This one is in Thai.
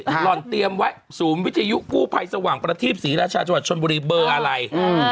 หล่อนเตรียมไว้ศูนย์วิทยุกู้ภัยสว่างประทีปศรีราชาจังหวัดชนบุรีเบอร์อะไร